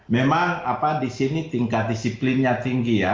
memang di sini tingkat disiplinnya tinggi ya